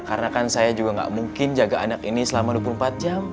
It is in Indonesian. karena kan saya juga nggak mungkin jaga anak ini selama dua puluh empat jam